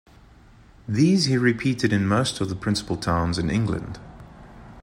These he repeated in most of the principal towns in England.